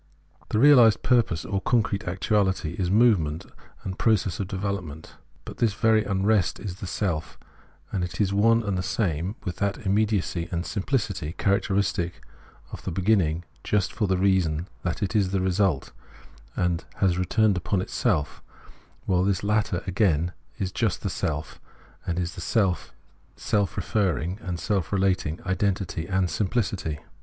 The realised purpose, or concrete actuality, is movement and process of development. But this very unrest is the self ; and it is one and the same with that immediacy and simphcity character istic of the beginning just for the reason thai it is the result, and has returned upon itself — while this latter again is just the self, and the self is self referring and self relating identity and simphcity.